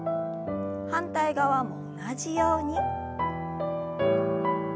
反対側も同じように。